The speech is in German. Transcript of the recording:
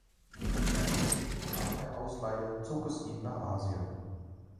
Nach der Ausleihe zog es ihn nach Asien.